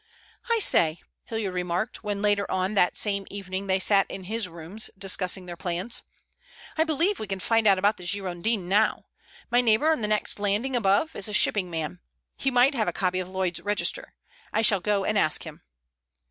"I say," Hilliard remarked when later on that same evening they sat in his rooms discussing their plans, "I believe we can find out about the Girondin now. My neighbor on the next landing above is a shipping man. He might have a copy of Lloyd's Register. I shall go and ask him."